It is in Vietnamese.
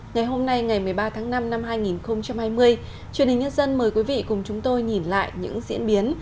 ngày hôm nay ngày một mươi ba tháng năm năm hai nghìn hai mươi truyền hình nhân dân mời quý vị cùng chúng tôi nhìn lại những diễn biến